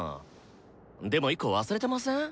でも１個忘れてません？